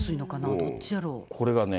どっちやろう。